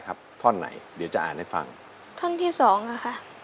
ท่อนไหนเดี๋ยวจะอ่านให้ฟังท่อนที่สองอ่ะค่ะ